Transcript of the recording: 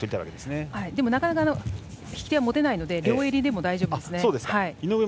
なかなか引き手は持てないので両襟でも大丈夫です。